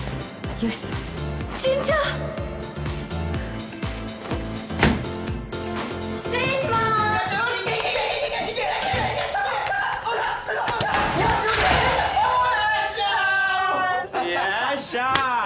よっしゃー！